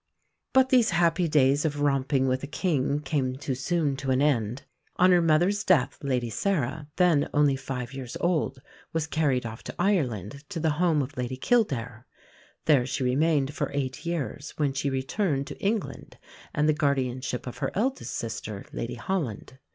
But these happy days of romping with a King came too soon to an end. On her mother's death Lady Sarah, then only five years old, was carried off to Ireland, to the home of Lady Kildare. There she remained for eight years, when she returned to England and the guardianship of her eldest sister, Lady Holland.